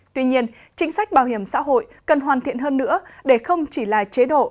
tuy nhiên chính sách bảo hiểm xã hội cần hoàn thiện hơn nữa để không chỉ là chế độ